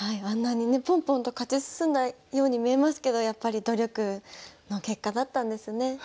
あんなにねポンポンと勝ち進んだように見えますけどやっぱり努力の結果だったんですね。